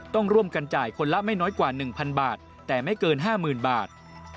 ต้องร่วมกันจ่ายคนละไม่น้อยกว่า๑๐๐บาทแต่ไม่เกิน๕๐๐๐บาท